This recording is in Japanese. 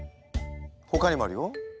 ほかにもあるよ。